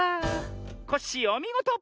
コッシーおみごと！